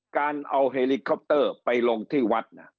การเอาเฮลิคอปเตอร์ไปลงที่วัด